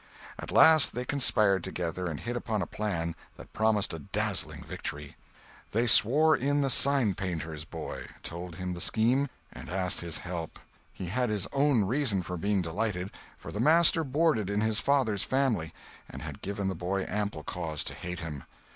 At last they conspired together and hit upon a plan that promised a dazzling victory. They swore in the signpainter's boy, told him the scheme, and asked his help. He had his own reasons for being delighted, for the master boarded in his father's family and had given the boy ample cause to hate him.